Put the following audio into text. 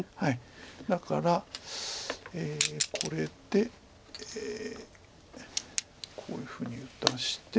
だからこれでこういうふうに打たして。